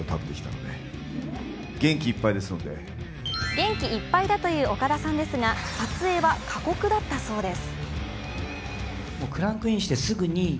元気いっぱいだという岡田さんですが撮影は過酷だったそうです。